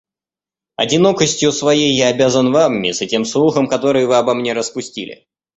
Одинокостью своей я обязан вам, мисс, и тем слухам, которые вы обо мне распустили.